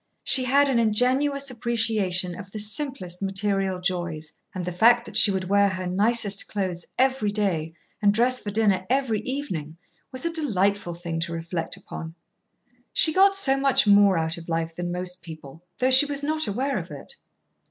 She had an ingenuous appreciation of the simplest material joys, and the fact that she would wear her nicest clothes every day, and dress for dinner every evening, was a delightful thing to reflect upon. She got so much more out of life than most people, though she was not aware of it.